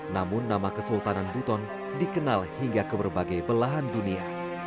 namun nama kesultanan buton dikenal hingga ke berbagai belahan dunia